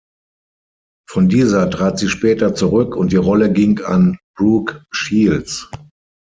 Von dieser trat sie später zurück, und die Rolle ging an Brooke Shields.